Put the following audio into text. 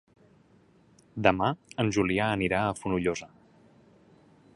Demà en Julià anirà a Fonollosa.